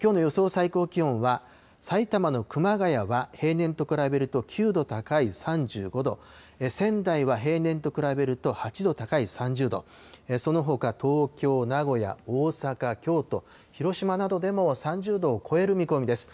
最高気温は、埼玉の熊谷は平年と比べると９度高い３５度、仙台は平年と比べると８度高い３０度、そのほか東京、名古屋、大阪、京都、広島などでも３０度を超える見込みです。